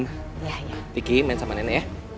pikin main sama nenek ya